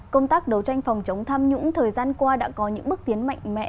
công tác đấu tranh phòng chống tham nhũng thời gian qua đã có những bước tiến mạnh mẽ